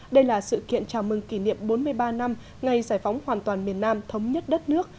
đây là sự kiện chào mừng kỷ niệm bốn mươi ba năm ngày giải phóng hoàn toàn miền nam thống nhất đất nước